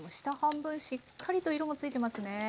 下半分しっかりと色もついてますね。